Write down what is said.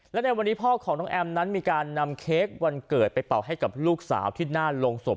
และในวันนี้พ่อของน้องแอมนั้นมีการนำเค้กวันเกิดไปเป่าให้กับลูกสาวที่หน้าโรงศพ